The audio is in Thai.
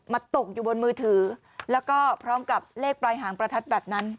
ตกอยู่บนมือถือแล้วก็พร้อมกับเลขปลายหางประทัดแบบนั้น